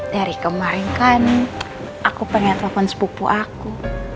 dari kemarin kan aku pernah telepon sepupu aku